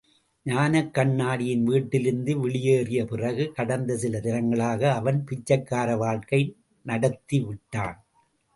ஞானக் கண்ணாடியின் வீட்டிலிருந்து வெளியேறிய பிறகு, கடந்த சில தினங்களாக அவன் பிச்சைக்கார வாழ்க்கை நடத்தி விட்டான்.